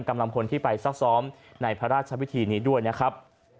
กำลังพลที่ไปซักซ้อมในพระราชวิธีนี้ด้วยนะครับ